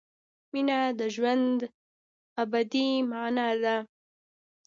مینه د ژوند ابدي مانا ده.